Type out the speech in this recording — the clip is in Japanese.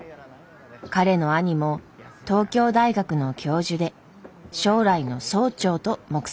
彼の兄も東京大学の教授で将来の総長と目されていました。